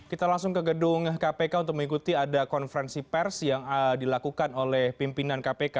kita langsung ke gedung kpk untuk mengikuti ada konferensi pers yang dilakukan oleh pimpinan kpk